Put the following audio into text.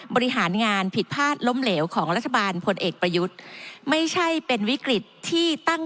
บริหารงานผิดพลาดล้มเหลวของรัฐบาลพลเอกประยุทธ์ไม่ใช่เป็นวิกฤตที่ตั้ง